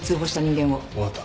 分かった。